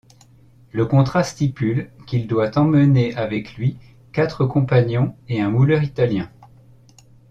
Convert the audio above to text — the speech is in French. Le contrat stipule qu'il doit emmener avec lui quatre compagnons et un mouleur italien.